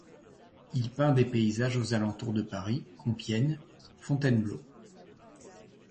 Il peint des paysages aux alentours de Paris, Compiègne, Fontainebleau.